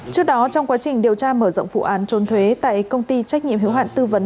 trước đó trong quá trình điều tra mở rộng vụ án trốn thuế tại công ty trách nhiệm hiếu hạn tư vấn